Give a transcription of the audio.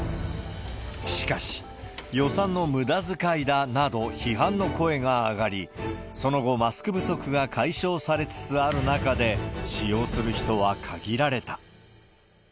しかし、予算のむだづかいだなど、批判の声が上がり、その後、マスク不足が解消されつつある中で、使用する人は限られた。